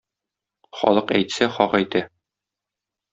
Халык әйтсә, хак әйтә